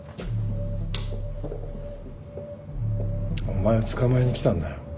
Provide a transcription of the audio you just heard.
お前を捕まえに来たんだよ。